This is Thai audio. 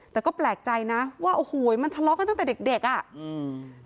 แต่ก็แปลกใจนะว่าโอ้โหมันทะเลาะกันตั้งแต่เด็กเด็กอ่ะอืม